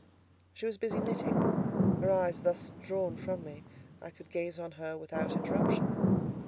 She was busy knitting; her eyes thus drawn from me, I could gaze on her without interruption.